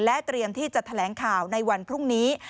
เตรียมที่จะแถลงข่าวในวันพรุ่งนี้